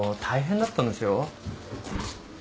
大変だったんですよ。